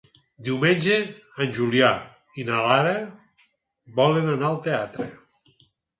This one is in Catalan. Diumenge en Julià i na Lara volen anar al teatre.